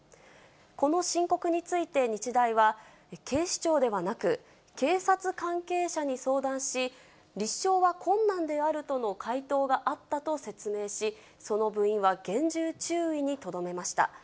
この申告について、日大は警視庁ではなく、警察関係者に相談し、立証は困難であるとの回答があったと説明し、その部員は厳重注意にとどめました。